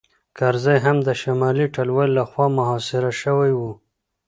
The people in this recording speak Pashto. کرزی هم د شمالي ټلوالې لخوا محاصره شوی و